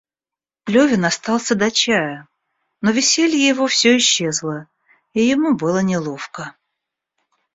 Левин остался до чая, но веселье его всё исчезло, и ему было неловко.